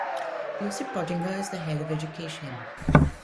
Lucy Pottinger is the head of education.